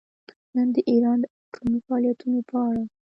نن د ایران د اټومي فعالیتونو په اړه